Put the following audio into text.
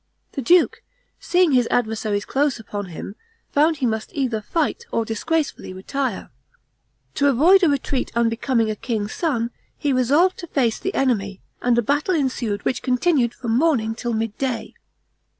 The duke, seeing his adversaries close upon him, found he must either fight or disgracefully retire. To avoid a retreat unbecoming a king's son, he resolved to face the enemy; and a battle ensued which continued from morning till midday.